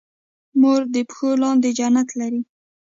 مور د پښو لاندې جنت لري